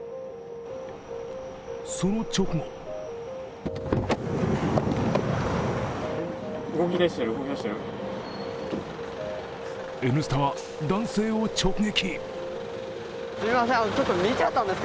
その直後「Ｎスタ」は男性を直撃。